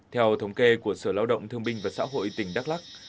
theo thống kê của sở lao động thương binh và xã hội tỉnh đắk lắc